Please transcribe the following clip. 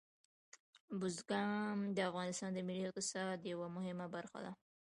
بزګان د افغانستان د ملي اقتصاد یوه مهمه برخه ده.